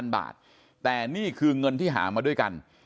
บาทแต่นี่คือเงินที่หามาด้วยกัน